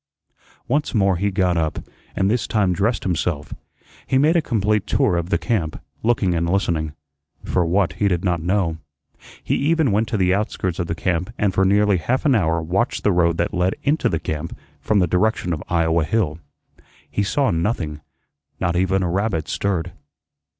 Once more he got up, and this time dressed himself. He made a complete tour of the camp, looking and listening, for what he did not know. He even went to the outskirts of the camp and for nearly half an hour watched the road that led into the camp from the direction of Iowa Hill. He saw nothing; not even a rabbit stirred.